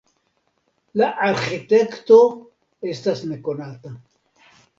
La arĥitekto estas nekonata.